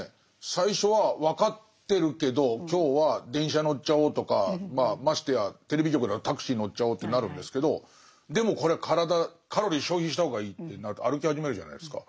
最初は分かってるけど今日は電車乗っちゃおうとかましてやテレビ局だとタクシー乗っちゃおうってなるんですけどでもこれは体カロリー消費した方がいいってなると歩き始めるじゃないですか。